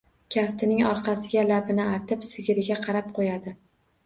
Kaftining orqasiga labini artib sigiriga qarab qo‘yadi.